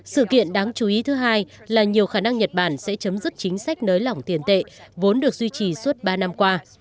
sự kiện đáng chú ý thứ hai là nhiều khả năng nhật bản sẽ chấm dứt chính sách nới lỏng tiền tệ vốn được duy trì suốt ba năm qua